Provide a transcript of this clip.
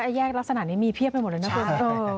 แยกลักษณะนี้มีเพียบไปหมดเลยนะคุณ